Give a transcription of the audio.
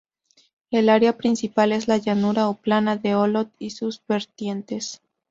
El área principal es la llanura o "plana" de Olot y sus vertientes.